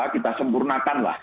kita sempurnakan lah